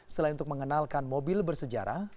selain untuk mengenalkan mobil bersejarah